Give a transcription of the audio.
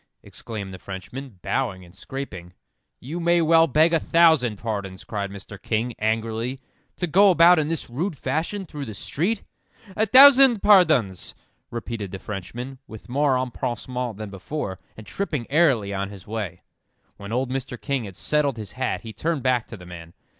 exclaimed the Frenchman, bowing and scraping. "You may well beg a thousand pardons," cried Mr. King, angrily, "to go about in this rude fashion through the street." "A thousand pardons," repeated the Frenchman, with more empressement than before, and tripping airily on his way. When old Mr. King had settled his hat, he turned back to the man.